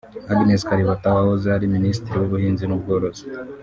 Agnes Kalibata wahoze ari Minisitiri w’Ubuhinzi n’Ubworozi